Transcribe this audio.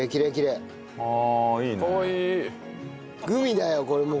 グミだよこれもう。